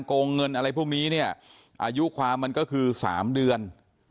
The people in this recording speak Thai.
โกงเงินอะไรพวกนี้เนี่ยอายุความมันก็คือ๓เดือน